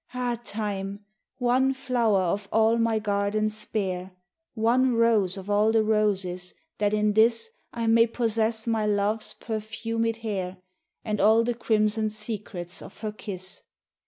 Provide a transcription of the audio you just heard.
Ah, Time ! one flower of all my garden spare, One rose of all the roses, that in this I may possess my love's perfumed hair And all the crimson secrets of her kiss.